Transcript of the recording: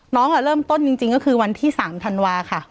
เริ่มต้นจริงก็คือวันที่๓ธันวาค่ะ